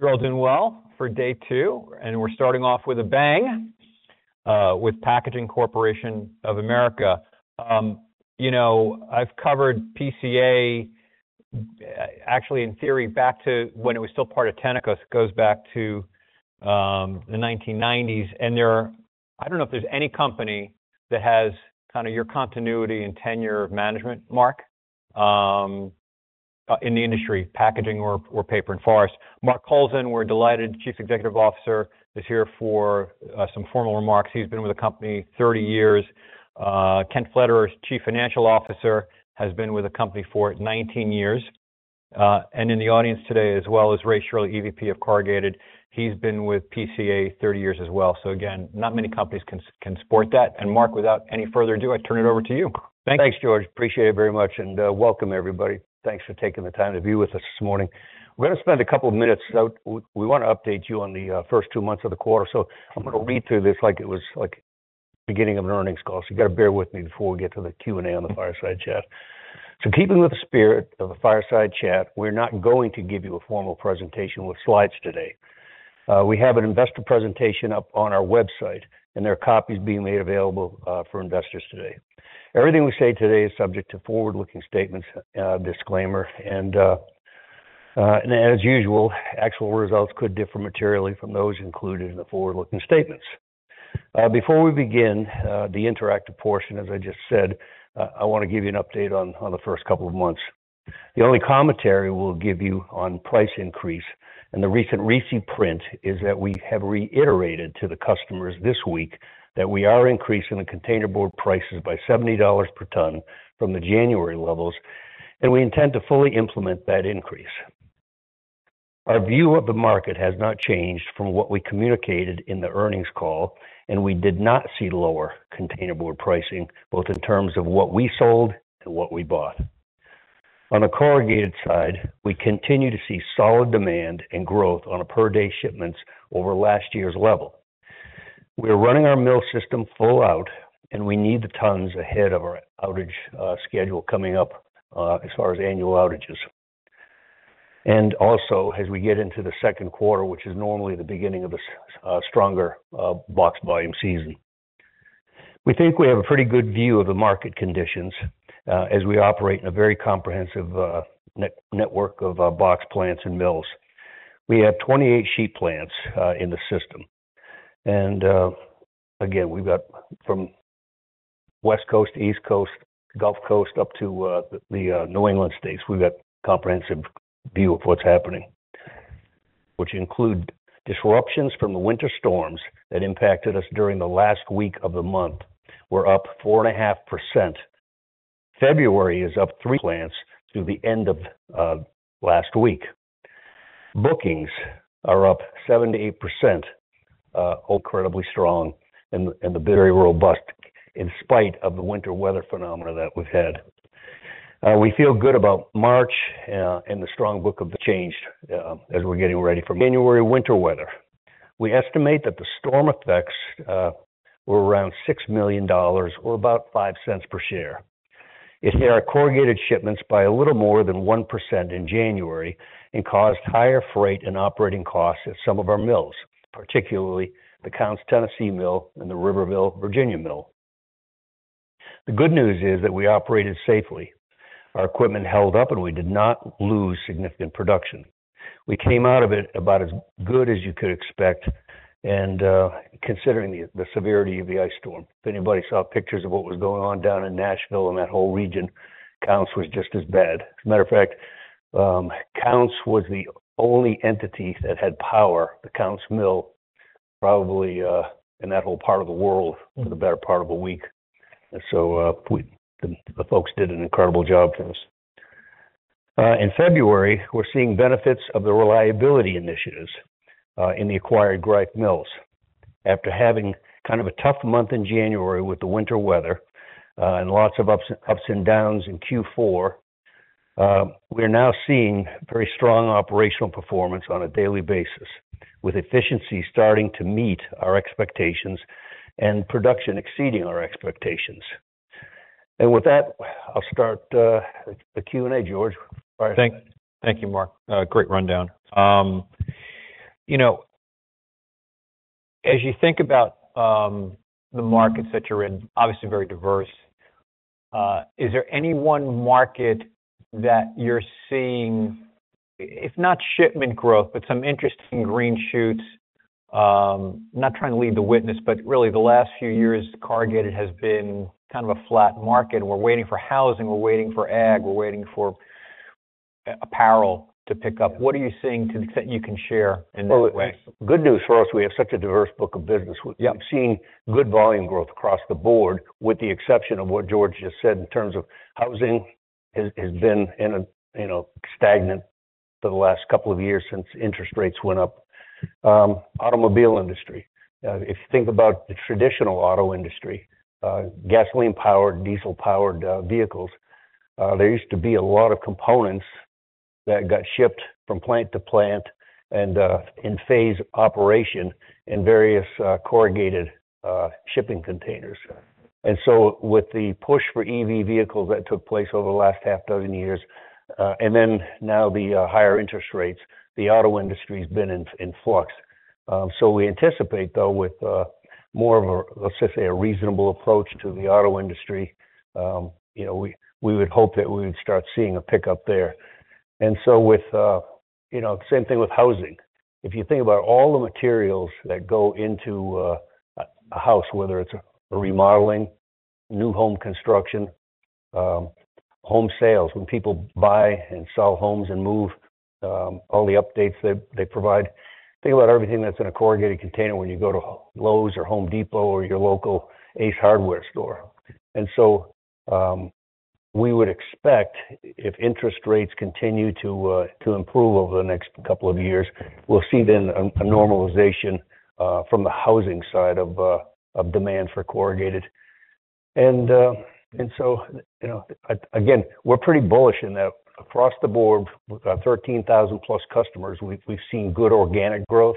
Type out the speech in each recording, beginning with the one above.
You're all doing well for day two, we're starting off with a bang, with Packaging Corporation of America. You know, I've covered PCA, actually, in theory, back to when it was still part of Tenneco. It goes back to the 1990s. There are I don't know if there's any company that has kind of your continuity and tenure of management, Mark, in the industry, packaging or paper and forest. Mark Kowlzan, we're delighted, Chief Executive Officer, is here for some formal remarks. He's been with the company 30 years. Kent Pflederer, Chief Financial Officer, has been with the company for 19 years. In the audience today, as well, is Ray Shirley, EVP of Corrugated. He's been with PCA 30 years as well. Again, not many companies can support that. Mark, without any further ado, I turn it over to you. Thanks, George. Appreciate it very much. Welcome, everybody. Thanks for taking the time to be with us this morning. We want to update you on the first two months of the quarter. I'm going to read through this like it was, like, the beginning of an earnings call. You got to bear with me before we get to the Q&A on the fireside chat. Keeping with the spirit of a fireside chat, we're not going to give you a formal presentation with slides today. We have an investor presentation up on our website. There are copies being made available for investors today. Everything we say today is subject to forward-looking statements disclaimer. As usual, actual results could differ materially from those included in the forward-looking statements. Before we begin, the interactive portion, as I just said, I want to give you an update on the first couple of months. The only commentary we'll give you on price increase and the recent RISI print, is that we have reiterated to the customers this week that we are increasing the containerboard prices by $70 per ton from the January levels. We intend to fully implement that increase. Our view of the market has not changed from what we communicated in the earnings call. We did not see lower containerboard pricing, both in terms of what we sold and what we bought. On the corrugated side, we continue to see solid demand and growth on a per-day shipments over last year's level. We're running our mill system full out, and we need the tons ahead of our outage schedule coming up as far as annual outages. Also, as we get into the 2nd quarter, which is normally the beginning of a stronger box volume season. We think we have a pretty good view of the market conditions as we operate in a very comprehensive network of box plants and Mills. We have 28 sheet plants in the system. Again, we've got from West Coast to East Coast, Gulf Coast, up to the New England states. We've got a comprehensive view of what's happening, which include disruptions from the winter storms that impacted us during the last week of the month. We're up 4.5%. February is up three plants through the end of last week. Bookings are up 7%-8%, incredibly strong and very robust in spite of the winter weather phenomena that we've had. We feel good about March, the strong book of the changed, as we're getting ready for January winter weather. We estimate that the storm effects were around $6 million or about $0.05 per share. It hit our corrugated shipments by a little more than 1% in January and caused higher freight and operating costs at some of our Mills, particularly the Counce, Tennessee Mill and the Riverville, Virginia Mill. The good news is that we operated safely. Our equipment held up, and we did not lose significant production. We came out of it about as good as you could expect, considering the severity of the ice storm. If anybody saw pictures of what was going on down in Nashville and that whole region, Counce was just as bad. As a matter of fact, Counce was the only entity that had power, the Counce Mill, probably in that whole part of the world for the better part of a week. We, the folks did an incredible job for us. In February, we're seeing benefits of the reliability initiatives in the acquired Greif Mills. After having kind of a tough month in January with the winter weather, and lots of ups and downs in Q4, we're now seeing very strong operational performance on a daily basis, with efficiency starting to meet our expectations and production exceeding our expectations. With that, I'll start the Q&A. George, fire away. Thank you, Mark. Great rundown. You know, as you think about the markets that you're in, obviously very diverse, is there any one market that you're seeing, if not shipment growth, but some interesting green shoots? Not trying to lead the witness, but really the last few years, corrugated has been kind of a flat market. We're waiting for housing, we're waiting for ag, we're waiting for apparel to pick up. What are you seeing that you can share in that way? Good news for us, we have such a diverse book of business. Yep. We've seen good volume growth across the board, with the exception of what George just said in terms of housing, has been in a, you know, stagnant for the last couple of years since interest rates went up. Automobile industry. If you think about the traditional auto industry, gasoline-powered, diesel-powered vehicles, there used to be a lot of components that got shipped from plant to plant and in phase operation in various corrugated shipping containers. With the push for EV vehicles that took place over the last half dozen years, and then now the higher interest rates, the auto industry has been in flux. We anticipate, though, with more of a, let's say, a reasonable approach to the auto industry, you know, we would hope that we would start seeing a pickup there. With, you know, same thing with housing. If you think about all the materials that go into a house, whether it's a remodeling, new home construction, home sales, when people buy and sell homes and move, all the updates that they provide, think about everything that's in a corrugated container when you go to Lowe's or The Home Depot or your local Ace Hardware store. We would expect if interest rates continue to improve over the next couple of years, we'll see then a normalization from the housing side of demand for corrugated. You know, again, we're pretty bullish in that across the board, with our 13,000 plus customers, we've seen good organic growth.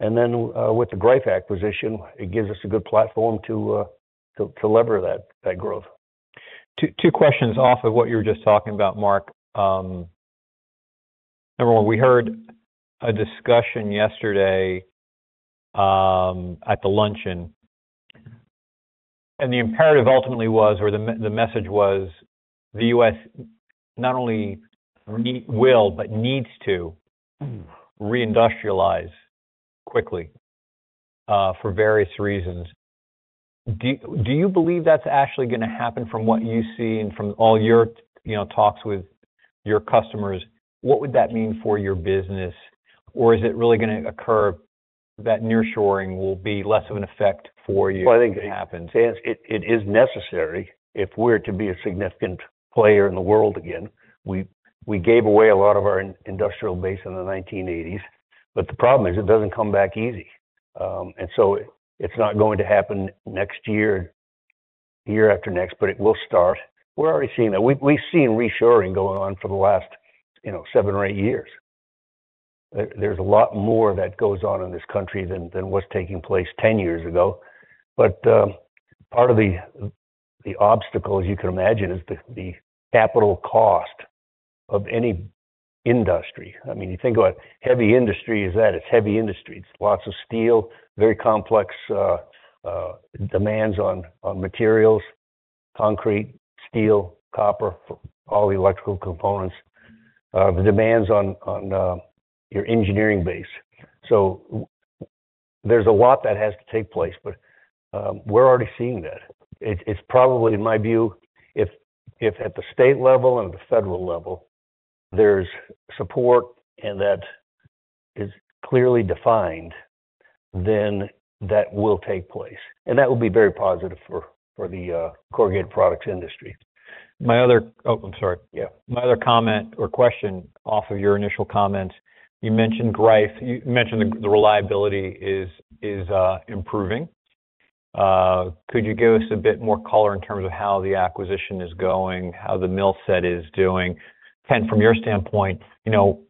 Then, with the Greif acquisition, it gives us a good platform to lever that growth. Two questions off of what you were just talking about, Mark. Number one, we heard a discussion yesterday at the luncheon, and the imperative ultimately was, or the message was, the U.S. not only re- will, but needs to re-industrialize quickly for various reasons. Do you believe that's actually gonna happen from what you see and from all your, you know, talks with your customers? What would that mean for your business? Is it really gonna occur that nearshoring will be less of an effect for you if it happens? I think it is necessary if we're to be a significant player in the world again. We gave away a lot of our industrial base in the 1980s, the problem is it doesn't come back easy. It's not going to happen next year after next, but it will start. We're already seeing that. We've seen reshoring going on for the last, you know, seven or eight years. There's a lot more that goes on in this country than what's taking place 10 years ago. Part of the obstacle, as you can imagine, is the capital cost of any industry. I mean, you think about heavy industry is that, it's heavy industry. It's lots of steel, very complex, demands on materials, concrete, steel, copper, for all the electrical components, the demands on your engineering base. There's a lot that has to take place, but, we're already seeing that. It's, it's probably, in my view, if at the state level and the federal level, there's support and that is clearly defined, then that will take place, and that will be very positive for the corrugated products industry. My other... Oh, I'm sorry. Yeah. My other comment or question off of your initial comments, you mentioned Greif. You mentioned the reliability is improving. Could you give us a bit more color in terms of how the acquisition is going, how the Mill set is doing? Kent, from your standpoint, you know,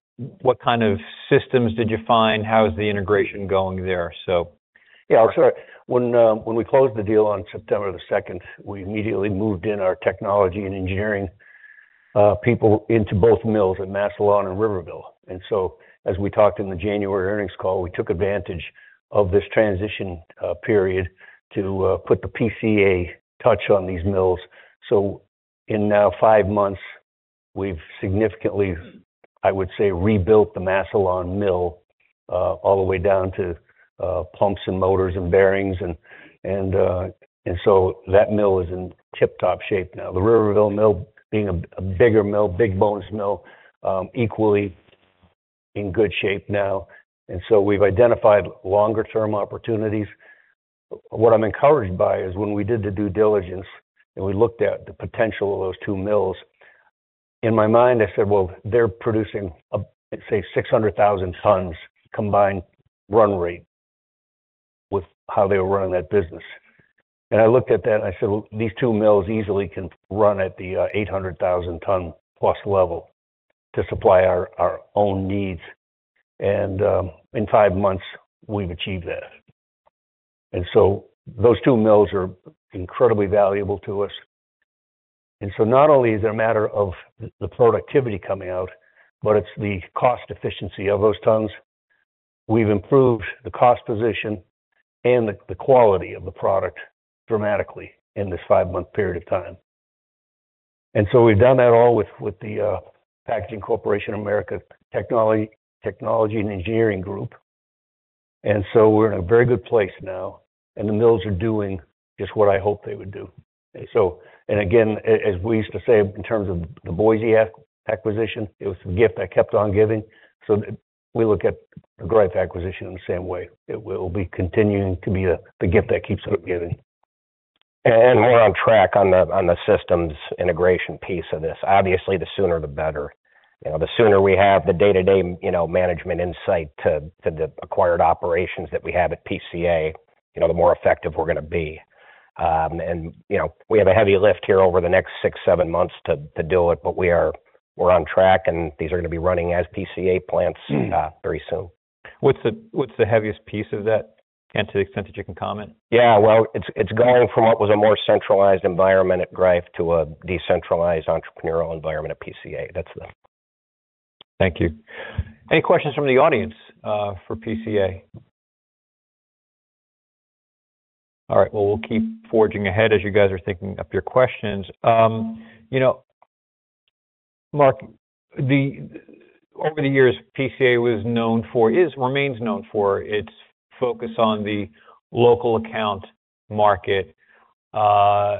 what kind of systems did you find? How is the integration going there, so? Yeah, sure. When we closed the deal on September 2nd, we immediately moved in our technology and engineering people into both Mills at Massillon and Riverville. As we talked in the January earnings call, we took advantage of this transition period to put the PCA touch on these Mills. In now five months, we've significantly, I would say, rebuilt the Massillon Mill all the way down to pumps and motors and bearings. That mill is in tip-top shape now. The Riverville Mill, being a bigger Mill, big bogus Mill, equally in good shape now. We've identified longer-term opportunities. What I'm encouraged by is when we did the due diligence, we looked at the potential of those two Mills, in my mind, I said, "Well, they're producing, let's say, 600,000 tons combined run rate with how they were running that business." I looked at that, I said, "Well, these two Mills easily can run at the 800,000 ton plus level to supply our own needs." In five months, we've achieved that. Those two Mills are incredibly valuable to us. Not only is it a matter of the productivity coming out, but it's the cost efficiency of those tons. We've improved the cost position and the quality of the product dramatically in this five-month period of time. We've done that all with the Packaging Corporation of America technology and engineering group. We're in a very good place now, and the Mills are doing just what I hoped they would do. Again, as we used to say, in terms of the Boise acquisition, it was a gift that kept on giving. We look at the Greif acquisition in the same way. It will be continuing to be the gift that keeps on giving. We're on track on the, on the systems integration piece of this. Obviously, the sooner the better. You know, the sooner we have the day-to-day, you know, management insight to the acquired operations that we have at PCA, you know, the more effective we're gonna be. And, you know, we have a heavy lift here over the next six, seven months to do it, but we're on track, and these are gonna be running as PCA plants, very soon. What's the heaviest piece of that? To the extent that you can comment. Well, it's going from what was a more centralized environment at Greif to a decentralized entrepreneurial environment at PCA. That's the. Thank you. Any questions from the audience for PCA? All right, well, we'll keep forging ahead as you guys are thinking up your questions. You know, Mark, over the years, PCA was known for, is-- remains known for its focus on the local account market. From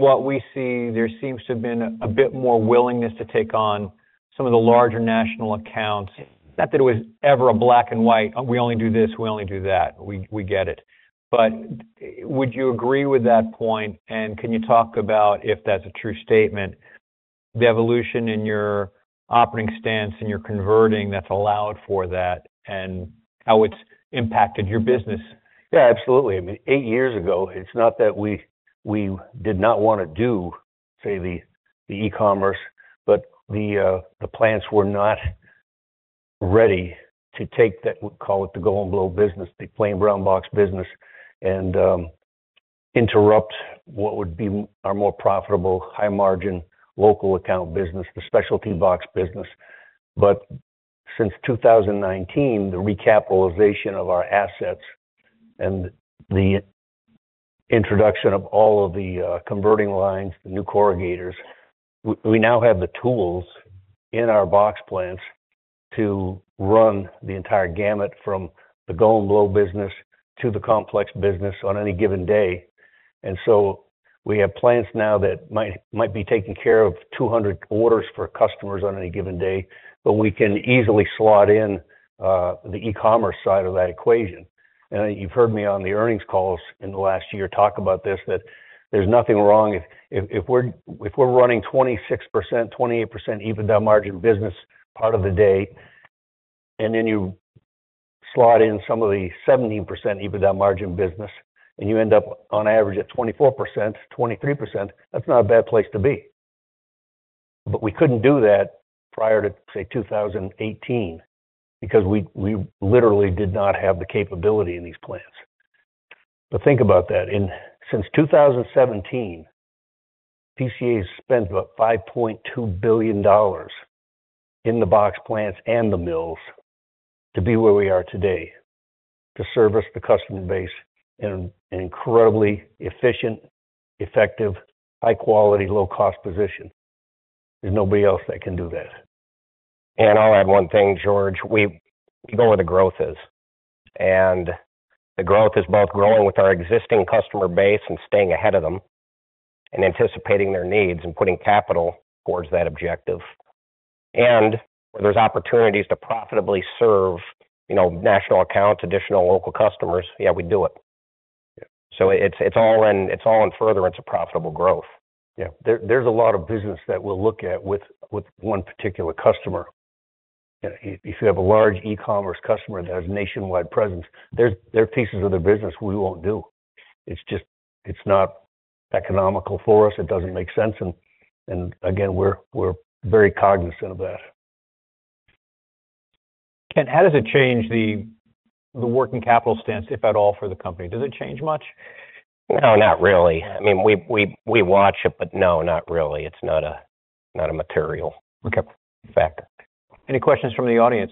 what we see, there seems to have been a bit more willingness to take on some of the larger national accounts. Not that it was ever a black and white, "We only do this, we only do that." We get it. Would you agree with that point? Can you talk about, if that's a true statement, the evolution in your operating stance, and you're converting, that's allowed for that, and how it's impacted your business? Yeah, absolutely. I mean, eight years ago, it's not that we did not wanna do, say, the E-commerce, the plants were not ready to take that, we call it the go and glow business, the plain brown box business, and interrupt what would be our more profitable, high-margin, local account business, the specialty box business. Since 2019, the recapitalization of our assets and the introduction of all of the converting lines, the new corrugators, we now have the tools in our box plants to run the entire gamut from the go and glow business to the complex business on any given day. We have plants now that might be taking care of 200 orders for customers on any given day, but we can easily slot in the E-commerce side of that equation. You've heard me on the earnings calls in the last year talk about this, that there's nothing wrong if we're running 26%, 28% EBITDA margin business part of the day, and then you slot in some of the 17% EBITDA margin business, and you end up on average at 24%, 23%, that's not a bad place to be. We couldn't do that prior to, say, 2018, because we literally did not have the capability in these plants. Think about that. Since 2017, PCA has spent about $5.2 billion in the box plants and the Mills to be where we are today, to service the customer base in an incredibly efficient, effective, high quality, low-cost position. There's nobody else that can do that. I'll add one thing, George. We go where the growth is, and the growth is both growing with our existing customer base and staying ahead of them, and anticipating their needs, and putting capital towards that objective. Where there's opportunities to profitably serve, you know, national accounts, additional local customers, yeah, we do it. Yeah. It's all in furtherance of profitable growth. Yeah. There's a lot of business that we'll look at with one particular customer. If you have a large E-commerce customer that has nationwide presence, there are pieces of their business we won't do. It's not economical for us. It doesn't make sense, and again, we're very cognizant of that. Kent, how does it change the working capital stance, if at all, for the company? Does it change much? No, not really. I mean, we watch it, but no, not really. It's not a material... Okay -factor. Any questions from the audience?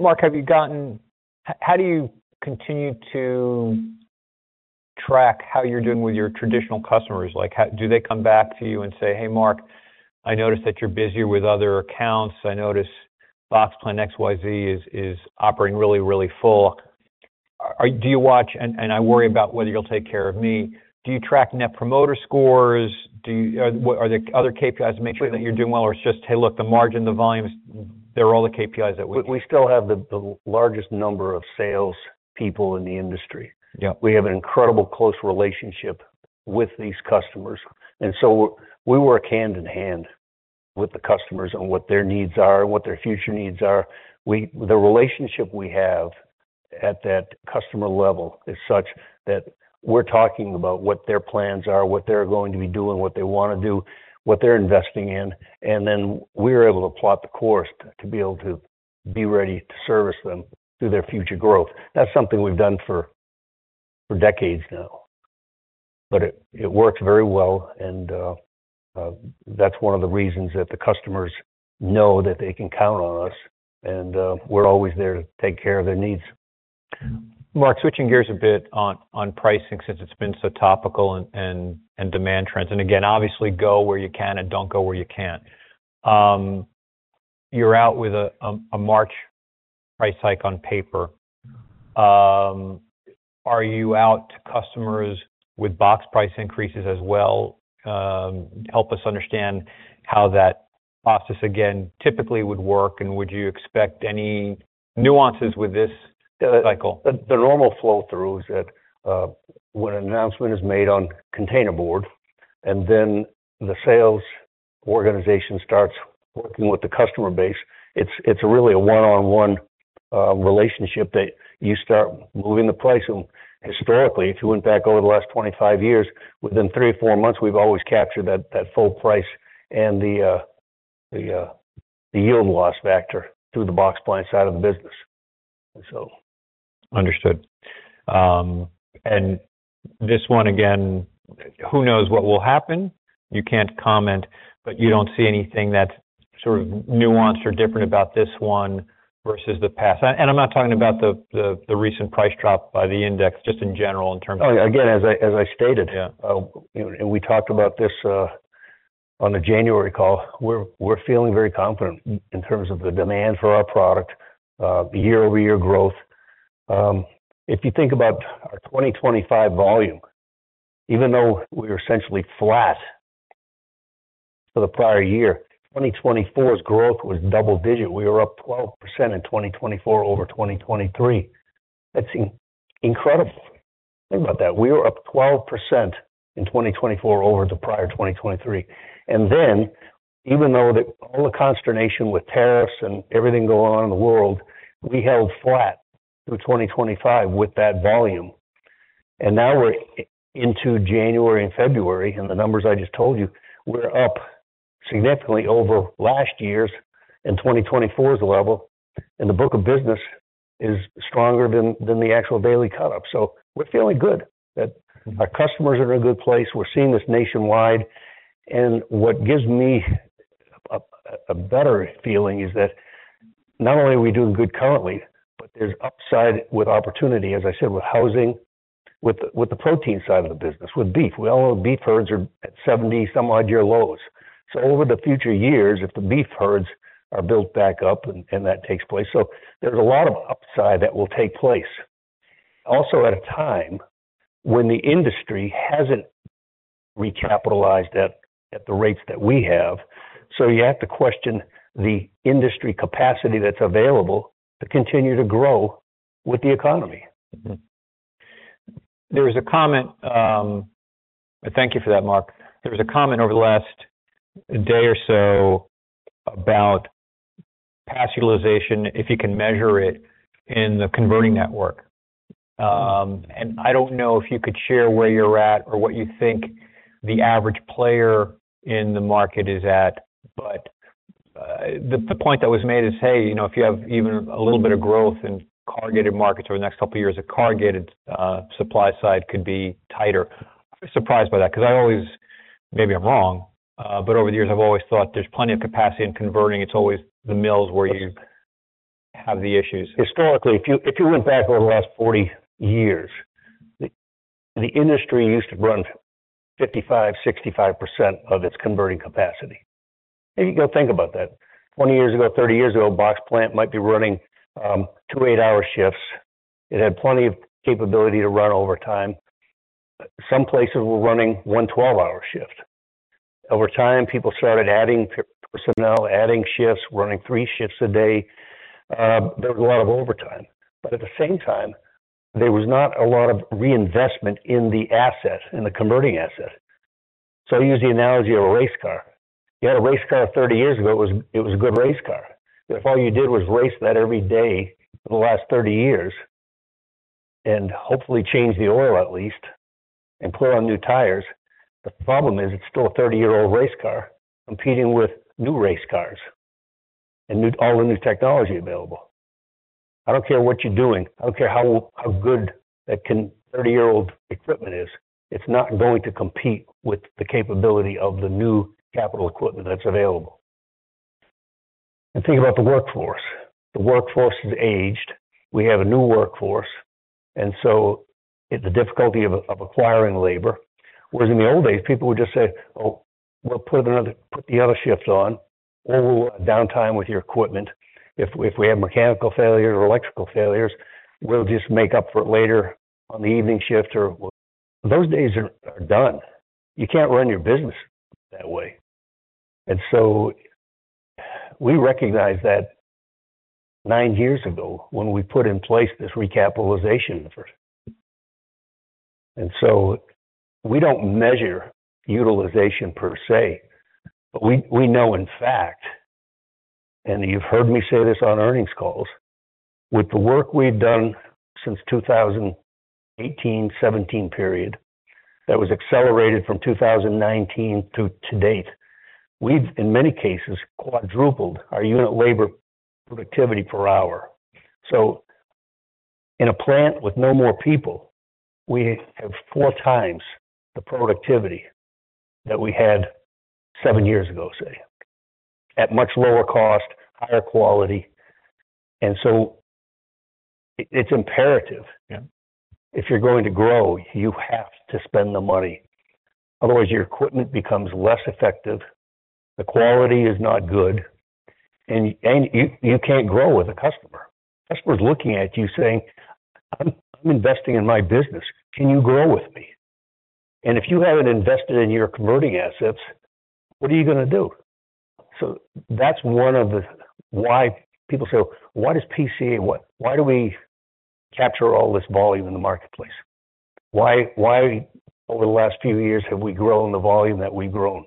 Mark, how do you continue to track how you're doing with your traditional customers? Like, do they come back to you and say, "Hey, Mark, I noticed that you're busier with other accounts. I notice box plan XYZ is operating really, really full. Do you watch, and I worry about whether you'll take care of me." Do you track Net Promoter Score? Do you, are there other KPIs to make sure that you're doing well, or it's just: Hey, look, the margin, the volumes, they're all the KPIs that we still have the largest number of sales people in the industry. Yeah. We have an incredible close relationship with these customers, and so we work hand in hand with the customers on what their needs are and what their future needs are. The relationship we have at that customer level is such that we're talking about what their plans are, what they're going to be doing, what they wanna do, what they're investing in, and then we're able to plot the course to be able to be ready to service them through their future growth. That's something we've done for decades now, but it works very well, and that's one of the reasons that the customers know that they can count on us, and we're always there to take care of their needs. Mark, switching gears a bit on pricing, since it's been so topical and demand trends, and again, obviously, go where you can and don't go where you can't. You're out with a March price hike on paper. Are you out to customers with box price increases as well? Help us understand how that process, again, typically would work, and would you expect any nuances with this cycle? The normal flow through is that when an announcement is made on containerboard, and then the sales organization starts working with the customer base, it's really a one-on-one relationship that you start moving the price. Historically, if you went back over the last 25 years, within three or four months, we've always captured that full price and the yield loss factor through the box plant side of the business, so. Understood. This one again, who knows what will happen? You can't comment, but you don't see anything that's sort of nuanced or different about this one versus the past. I'm not talking about the recent price drop by the index, just in general, in terms of- Again, as I stated. Yeah. We talked about this on the January call, we're feeling very confident in terms of the demand for our product, the year-over-year growth. If you think about our 2025 volume, even though we were essentially flat for the prior year, 2024's growth was double-digit. We were up 12% in 2024 over 2023. That's incredible. Think about that. We were up 12% in 2024 over the prior 2023. Even though all the consternation with tariffs and everything going on in the world, we held flat through 2025 with that volume. Now we're into January and February, and the numbers I just told you, we're up significantly over last year's and 2024's level, and the book of business is stronger than the actual daily cut up. We're feeling good that our customers are in a good place. We're seeing this nationwide. What gives me a better feeling is that not only are we doing good currently, but there's upside with opportunity, as I said, with housing, with the protein side of the business, with beef. Beef herds are at 70 some odd year lows. Over the future years, if the beef herds are built back up and that takes place. There's a lot of upside that will take place. At a time when the industry hasn't recapitalized at the rates that we have, you have to question the industry capacity that's available to continue to grow with the economy. There was a comment. Thank you for that, Mark. There was a comment over the last day or so about capacity utilization, if you can measure it in the converting network. I don't know if you could share where you're at or what you think the average player in the market is at, but the point that was made is, hey, you know, if you have even a little bit of growth in corrugated markets over the next two years, a corrugated supply side could be tighter. I'm surprised by that because I always maybe I'm wrong, but over the years, I've always thought there's plenty of capacity in converting. It's always the Mills where you have the issues. Historically, if you went back over the last 40 years, the industry used to run 55%-65% of its converting capacity. If you go think about that, 20 years ago, 30 years ago, a box plant might be running two eight-hour shifts. It had plenty of capability to run over time. Some places were running one twelve-hour shift. Over time, people started adding personnel, adding shifts, running three shifts a day. There was a lot of overtime, but at the same time, there was not a lot of reinvestment in the asset, in the converting asset. I use the analogy of a race car. You had a race car 30 years ago, it was a good race car. If all you did was race that every day for the last 30 years, and hopefully changed the oil at least, and put on new tires, the problem is it's still a 30-year-old race car competing with new race cars and new all the new technology available. I don't care what you're doing, I don't care how good a 30-year-old equipment is, it's not going to compete with the capability of the new capital equipment that's available. Think about the workforce. The workforce has aged. We have a new workforce, and so the difficulty of acquiring labor, whereas in the old days, people would just say, "Oh, we'll put the other shifts on or downtime with your equipment. If we have mechanical failures or electrical failures, we'll just make up for it later on the evening shift or we'll..." Those days are done. You can't run your business that way. We recognized that nine years ago when we put in place this recapitalization effort. We don't measure utilization per se, but we know in fact, and you've heard me say this on earnings calls, with the work we've done since 2018, 2017 period, that was accelerated from 2019 to date, we've, in many cases, quadrupled our unit labor productivity per hour. In a plant with no more people, we have four times the productivity that we had seven years ago, say, at much lower cost, higher quality. It's imperative. Yeah. If you're going to grow, you have to spend the money. Otherwise, your equipment becomes less effective, the quality is not good, and you can't grow with a customer. Customer's looking at you saying, "I'm investing in my business. Can you grow with me?" If you haven't invested in your converting assets, what are you going to do? That's one of the why people say, "Why do we capture all this volume in the marketplace." Why over the last few years have we grown the volume that we've grown?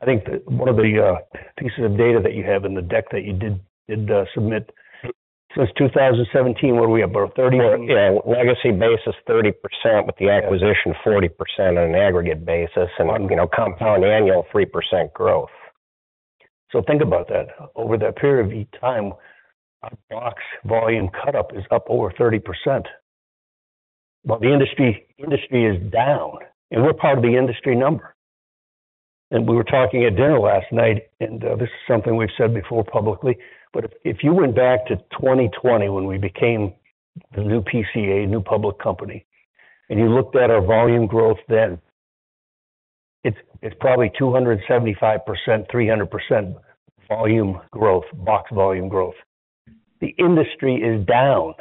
I think that one of the pieces of data that you have in the deck that you did submit since 2017, where we have about legacy basis, 30%, with the acquisition, 40% on an aggregate basis, and, you know, compound annual 3% growth. Think about that. Over that period of time, our box volume cut up is up over 30%, but the industry is down, and we're part of the industry number. We were talking at dinner last night, this is something we've said before publicly, but if you went back to 2020, when we became the new PCA, new public company, and you looked at our volume growth, then it's probably 275%, 300% volume growth, box volume growth. The industry is down.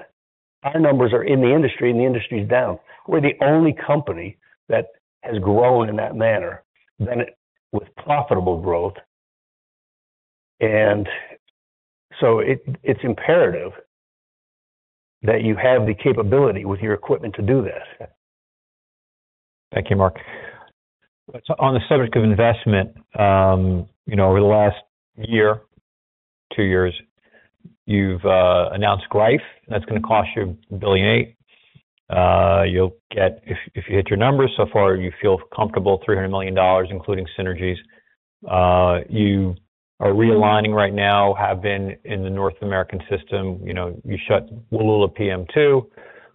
Our numbers are in the industry, and the industry is down. We're the only company that has grown in that manner, done it with profitable growth. It's imperative that you have the capability with your equipment to do this. Thank you, Mark. On the subject of investment, you know, over the last year, two years, you've announced Greif, and that's gonna cost you $1.8 billion. If you hit your numbers so far, you feel comfortable, $300 million, including synergies. You are realigning right now, have been in the North American system. You know, you shut Wallula PM2,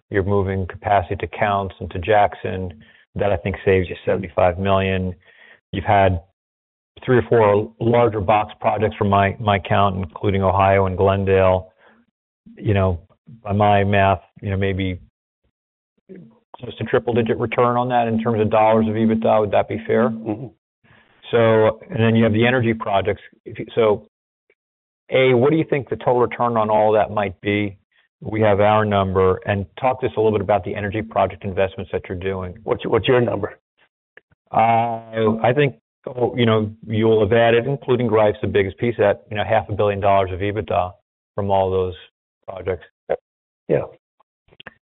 you're moving capacity to Counce and to Jackson. That, I think, saves you $75 million. You've had three or four larger box projects from my count, including Ohio and Glendale. You know, by my math, you know, maybe just a triple-digit return on that in terms of dollars of EBITDA. Would that be fair? Mm-hmm. You have the energy projects. A, what do you think the total return on all that might be? We have our number. Talk to us a little bit about the energy project investments that you're doing. What's your number? I think, you know, you'll have added, including Greif's, the biggest piece, that, you know, half a billion dollars of EBITDA from all those projects. Yeah.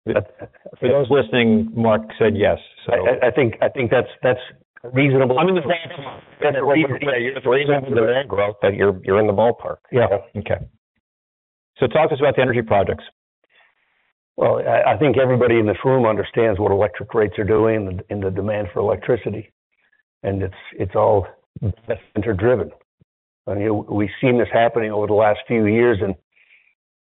For those listening, Mark said yes, so- I think that's reasonable. I mean, the fact that you have reason to agree that you're in the ballpark. Yeah. Okay. Talk us about the energy projects. Well, I think everybody in this room understands what electric rates are doing and the demand for electricity, and it's all center driven. You know, we've seen this happening over the last few years,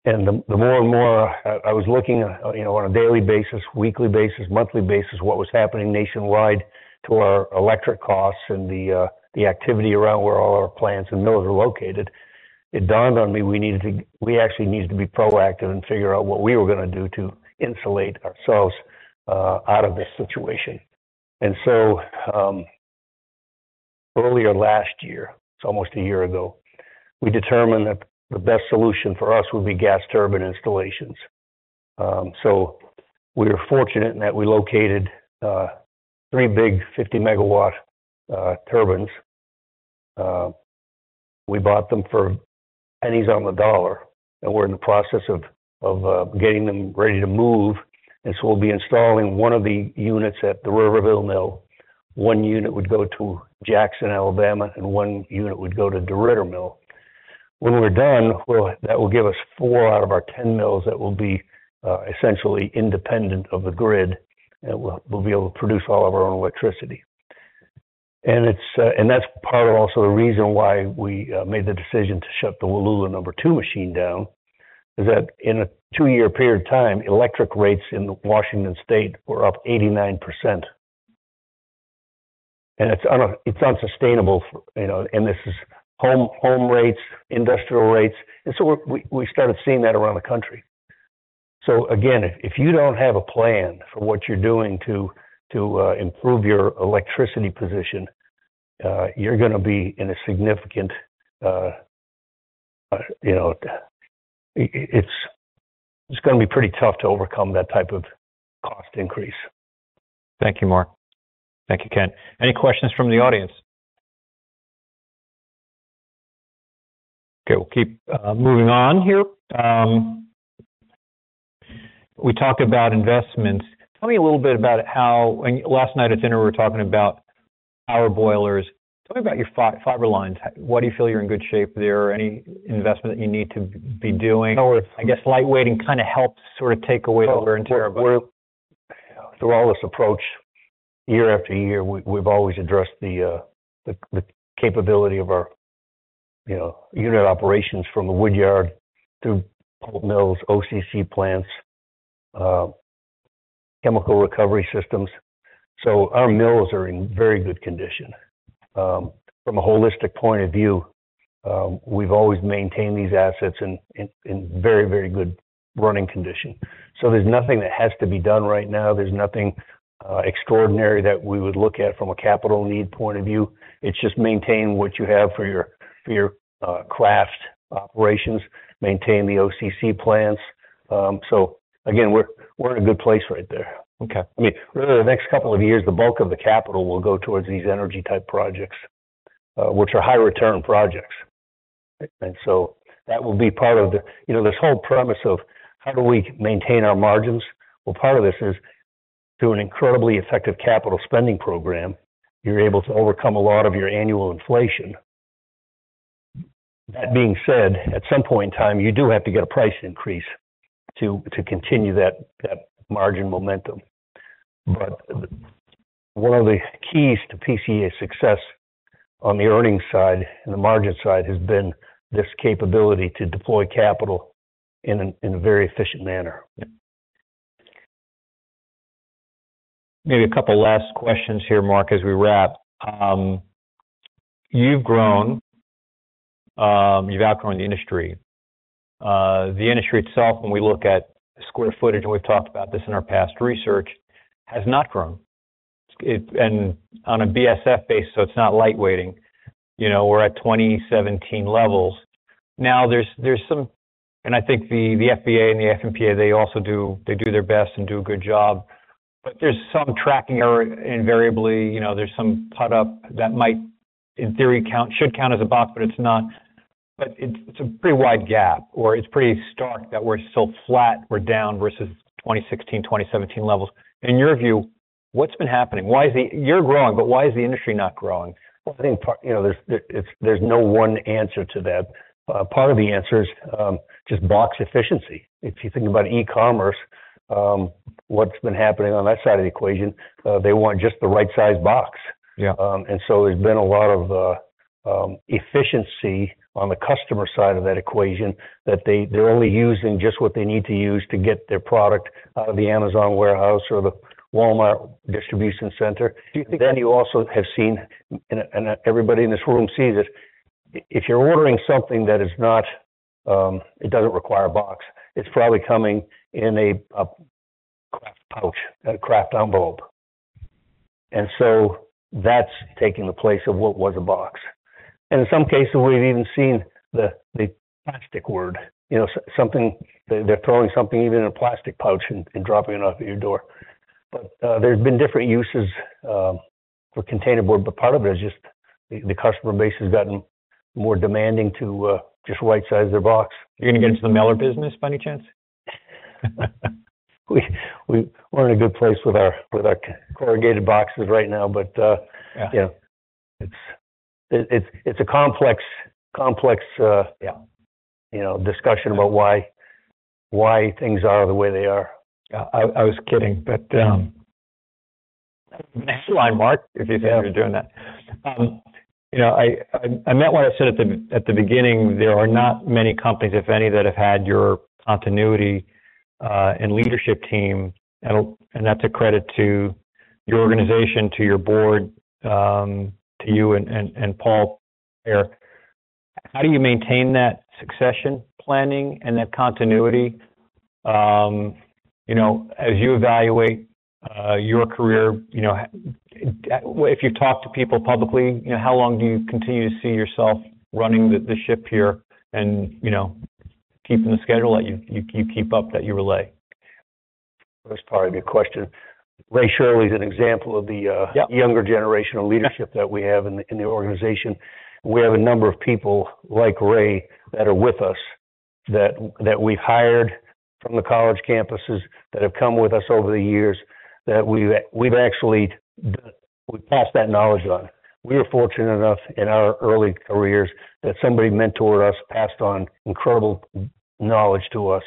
and the more and more, I was looking, you know, on a daily basis, weekly basis, monthly basis, what was happening nationwide to our electric costs and the activity around where all our plants and Mills are located. It dawned on me we actually needed to be proactive and figure out what we were gonna do to insulate ourselves out of this situation. So, earlier last year, it's almost a year ago, we determined that the best solution for us would be gas turbine installations. So we were fortunate in that we located three big 50-MW turbines. We bought them for pennies on the dollar, and we're in the process of getting them ready to move. We'll be installing one of the units at the Riverville Mill. One unit would go to Jackson, Alabama, and one unit would go to DeRidder Mill. When we're done, well, that will give us four out of our 10 Mills that will be essentially independent of the grid, and we'll be able to produce all of our own electricity. It's, and that's part of also the reason why we made the decision to shut the Wallula PM2 down, is that in a two-year period of time, electric rates in Washington State were up 89%, and it's unsustainable, you know, and this is home rates, industrial rates, and so we started seeing that around the country. Again, if you don't have a plan for what you're doing to improve your electricity position, you're gonna be in a significant, you know, it's gonna be pretty tough to overcome that type of cost increase. Thank you, Mark. Thank you, Kent. Any questions from the audience? Okay, we'll keep moving on here. We talked about investments. Tell me a little bit about and last night at dinner, we were talking about power boilers. Tell me about your fiber lines. Why do you feel you're in good shape there? Any investment that you need to be doing? No. I guess lightweighting kind of helps sort of take away the wear and tear of it. Through all this approach, year after year, we've always addressed the capability of our, you know, unit operations from the woodyard through pulp Mills, OCC plants, chemical recovery systems. Our Mills are in very good condition. From a holistic point of view, we've always maintained these assets in very, very good running condition. There's nothing that has to be done right now. There's nothing extraordinary that we would look at from a capital need point of view. It's just maintain what you have for your kraft operations, maintain the OCC plants. Again, we're in a good place right there. Okay. I mean, for the next couple of years, the bulk of the capital will go towards these energy-type projects, which are high-return projects. That will be part of the, you know, this whole premise of how do we maintain our margins? Well, part of this is through an incredibly effective capital spending program, you're able to overcome a lot of your annual inflation. That being said, at some point in time, you do have to get a price increase to continue that margin momentum. One of the keys to PCA's success on the earnings side and the margin side, has been this capability to deploy capital in a very efficient manner. Maybe a couple last questions here, Mark, as we wrap. You've grown, you've outgrown the industry. The industry itself, when we look at square footage, and we've talked about this in our past research, has not grown. On a BSF base, so it's not lightweighting. You know, we're at 2017 levels. Now, there's some. I think the FBA and the AF&PA, they do their best and do a good job, but there's some tracking error. Invariably, you know, there's some cut up that might, in theory, should count as a box, but it's not. It's a pretty wide gap, or it's pretty stark that we're still flat, we're down versus 2016, 2017 levels. In your view, what's been happening? You're growing, but why is the industry not growing? Well, I think, you know, there's no one answer to that. Part of the answer is just box efficiency. If you think about E-commerce, what's been happening on that side of the equation, they want just the right size box. Yeah. There's been a lot of efficiency on the customer side of that equation, they're only using just what they need to use to get their product out of the Amazon warehouse or the Walmart distribution center. Do you think-? You also have seen, and everybody in this room sees it, if you're ordering something that is not, it doesn't require a box, it's probably coming in a kraft pouch, a kraft envelope. That's taking the place of what was a box. In some cases, we've even seen the plastic word, you know, they're throwing something, even in a plastic pouch, and dropping it off at your door. There's been different uses, for containerboard, but part of it is just the customer base has gotten more demanding to, just right size their box. You're gonna get into the mailer business, by any chance? We're in a good place with our, with our corrugated boxes right now, but. Yeah. Yeah. It's a complex. Yeah You know, discussion about why things are the way they are. Yeah. I was kidding, but nice try, Mark, if you think you're doing that. You know, I meant what I said at the beginning, there are not many companies, if any, that have had your continuity and leadership team. That's a credit to your organization, to your board, to you and Paul there. How do you maintain that succession planning and that continuity, you know, as you evaluate your career, you know, if you talk to people publicly, you know, how long do you continue to see yourself running the ship here and, you know, keeping the schedule that you keep up, that you relay? That's probably a good question. Ray Shirley is an example of the. Yeah... younger generation of leadership that we have in the organization. We have a number of people like Ray, that are with us, that we've hired from the college campuses, that have come with us over the years, that we've actually passed that knowledge on. We were fortunate enough in our early careers that somebody mentored us, passed on incredible knowledge to us.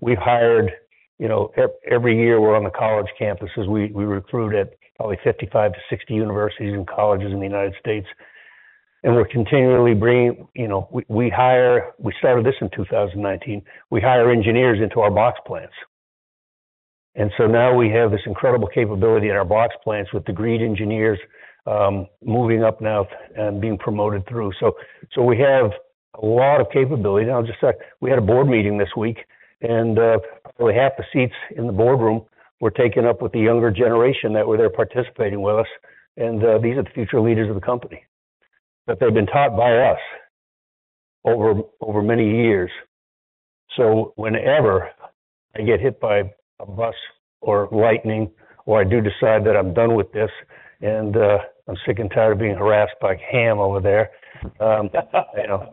We've hired, you know, every year, we're on the college campuses. We recruit at probably 55 to 60 universities and colleges in the United States, and we're continually bringing... You know, we started this in 2019, we hire engineers into our box plants. Now we have this incredible capability in our box plants with degree engineers moving up now and being promoted through. We have a lot of capability. Now, just like, we had a board meeting this week, probably half the seats in the boardroom were taken up with the younger generation that were there participating with us, these are the future leaders of the company. They've been taught by us over many years. Whenever I get hit by a bus or lightning, or I do decide that I'm done with this, I'm sick and tired of being harassed by Ham over there, you know,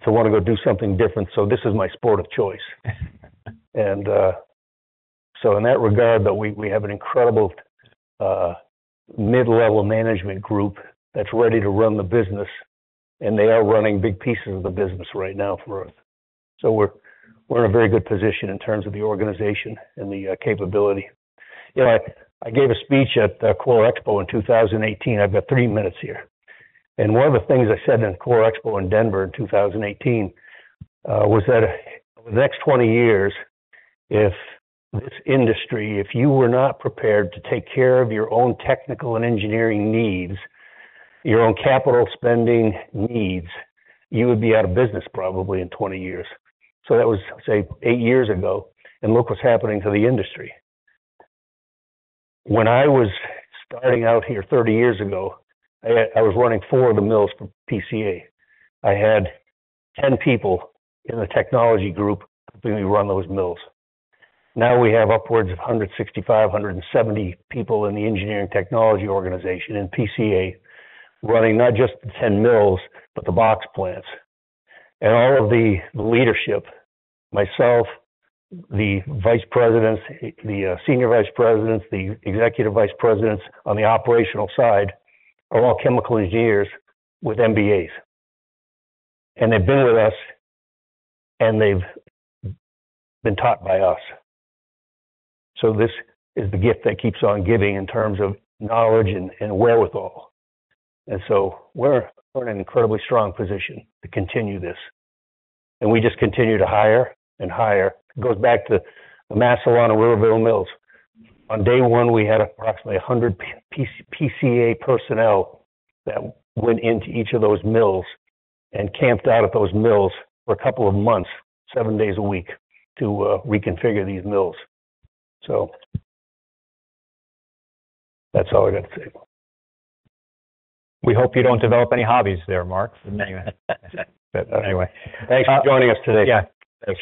my problem is I don't have enough hobbies to want to go do something different, this is my sport of choice. In that regard, that we have an incredible mid-level management group that's ready to run the business, and they are running big pieces of the business right now for us. We're in a very good position in terms of the organization and the capability. You know, I gave a speech at the CorrExpo in 2018. I've got three minutes here. One of the things I said in CorrExpo in Denver in 2018 was that over the next 20 years, if this industry, if you were not prepared to take care of your own technical and engineering needs, your own capital spending needs, you would be out of business probably in 20 years. That was, say, eight years ago, and look what's happening to the industry. When I was starting out here 30 years ago, I was running four of the Mills for PCA. I had 10 people in the technology group helping me run those Mills. We have upwards of 165, 170 people in the engineering technology organization in PCA, running not just the 10 Mills, but the box plants. All of the leadership, myself, the vice presidents, the senior vice presidents, the executive vice presidents on the operational side, are all chemical engineers with MBAs. They've been with us, and they've been taught by us. This is the gift that keeps on giving in terms of knowledge and wherewithal. We're in an incredibly strong position to continue this, and we just continue to hire and hire. It goes back to the Massillon and Riverville Mills. On day one, we had approximately 100 PCA personnel that went into each of those Mills and camped out at those Mills for a couple of months, seven days a week, to reconfigure these Mills. That's all I got to say. We hope you don't develop any hobbies there, Mark. Anyway, thanks for joining us today. Yeah. Appreciate it.